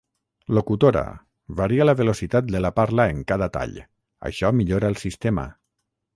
Locutora, varia la velocitat de la parla en cada tall, això millora el sistema.